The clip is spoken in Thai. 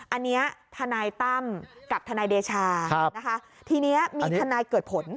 อันนี้ทนายตั้มกับทนายเดชานะคะทีนี้มีทนายเกิดผล